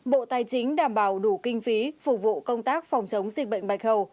bộ tài chính đảm bảo đủ kinh phí phục vụ công tác phòng chống dịch bệnh bạch hầu